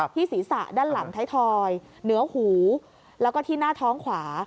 ศีรษะด้านหลังไทยทอยเหนือหูแล้วก็ที่หน้าท้องขวา